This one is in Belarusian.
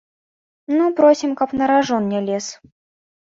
Ну просім, каб на ражон не лез.